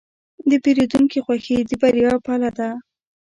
د پیرودونکي خوښي د بریا پله ده.